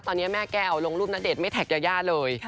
ตอนนี้แม่แก้วลงรูปณเดชน์ไม่แท็กยายาเลย